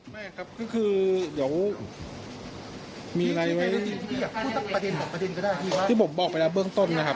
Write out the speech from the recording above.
ไม่ครับก็คือเดี๋ยวมีอะไรไว้ที่ผมบอกไปแล้วเบื้องต้นนะครับ